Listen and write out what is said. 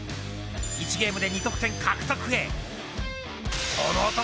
１ゲームで２得点獲得へ。